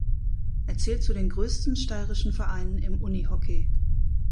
Er zählt zu den größten steirischen Vereinen im Unihockey.